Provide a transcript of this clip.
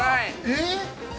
◆えっ！？